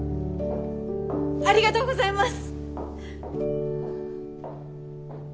ありがとうございます！